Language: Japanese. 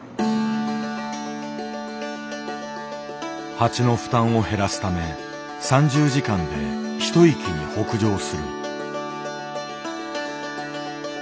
蜂の負担を減らすため３０時間で一息に北上する。